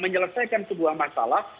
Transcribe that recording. menyelesaikan sebuah masalah